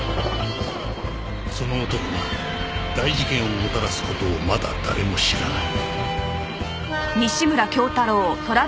その男が大事件をもたらす事をまだ誰も知らない